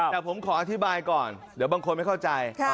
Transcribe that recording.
แต่ผมขออธิบายก่อนเดี๋ยวบางคนไม่เข้าใจ